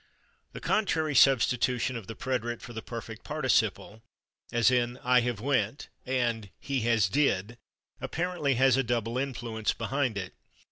The contrary substitution of the preterite for the perfect participle, as in "I have /went/" and "he has /did/," apparently has a double influence behind it.